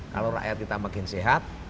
kalau rakyat kita makin sehat